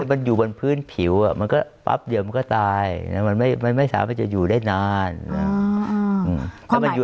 มันอยู่บนพื้นผิวมันก็แป๊บเดียวมันก็ตายมันไม่สามารถจะอยู่ได้นาน